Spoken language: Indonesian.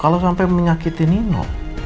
kalau sampai menyakiti nino